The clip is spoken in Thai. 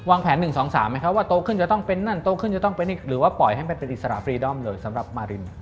แผน๑๒๓ไหมครับว่าโตขึ้นจะต้องเป็นนั่นโตขึ้นจะต้องเป็นหรือว่าปล่อยให้มันเป็นอิสระฟรีดอมเลยสำหรับมาริน